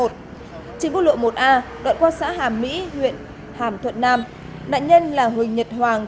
trên quốc lộ một a đoạn qua xã hàm mỹ huyện hàm thuận nam nạn nhân là huỳnh nhật hoàng